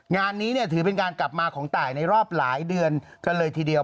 งานนี้เนี่ยถือเป็นการกลับมาของตายในรอบหลายเดือนกันเลยทีเดียว